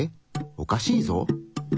おかしいぞ！